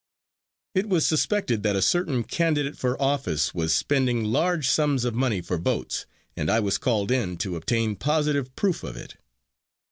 It was suspected that a certain candidate for office was spending large sums of money for votes and I was called in to obtain positive proof of it.